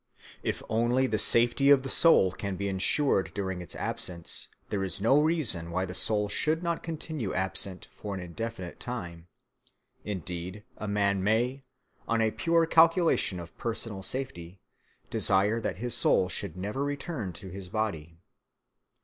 If only the safety of the soul can be ensured during its absence, there is no reason why the soul should not continue absent for an indefinite time; indeed a man may, on a pure calculation of personal safety, desire that his soul should never return to his body.